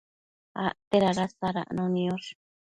acte dada sadacno niosh